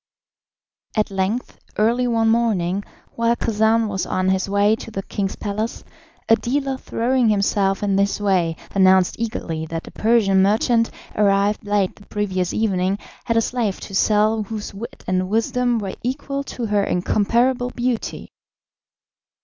At length, early one morning, while Khacan was on his way to the king's palace, a dealer, throwing himself in his way, announced eagerly that a Persian merchant, arrived late the previous evening, had a slave to sell whose wit and wisdom were equal to her incomparable beauty.